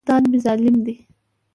استاد مي ظالم دی.